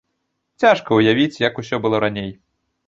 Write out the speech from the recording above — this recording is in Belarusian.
Цяжка ўявіць, як усё было раней.